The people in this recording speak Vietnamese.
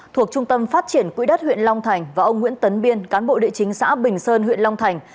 thuộc trung tâm phát triển quỹ đất huyện long thành và ông nguyễn tấn biên cán bộ địa chính xã bình sơn huyện long thành